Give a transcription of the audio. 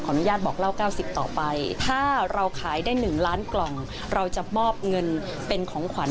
ใครก็ไม่รู้อยู่ดูสิข้างนอกมาหาได้ทุกวัน